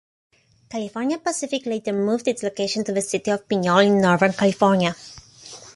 California Pacific later moved its location to the city of Pinole in northern California.